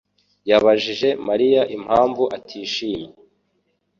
yabajije Mariya impamvu atishimye.